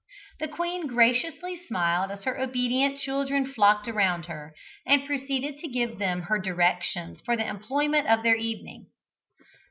The queen graciously smiled as her obedient children flocked around her, and proceeded to give them her directions for the employment of their evening.